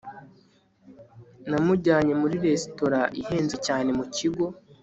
namujyanye muri resitora ihenze cyane mu kigo